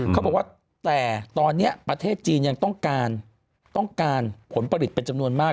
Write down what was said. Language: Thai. เขาบอกว่าแต่ตอนนี้ประเทศจีนยังต้องการต้องการผลผลิตเป็นจำนวนมาก